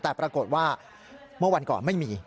แต่ปรากฏว่าเมื่อวันก่อนไม่มี